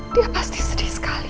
dia pasti sedih sekali